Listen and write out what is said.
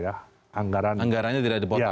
anggarannya tidak dipotong